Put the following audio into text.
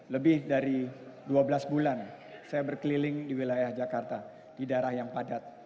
lebih dari dua belas bulan saya berkeliling di wilayah jakarta di daerah yang padat